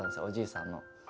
おじいさんの。